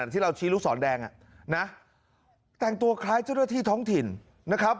ที่เราชี้ลูกศรแดงแต่งตัวคล้ายเจ้าหน้าที่ท้องถิ่นนะครับ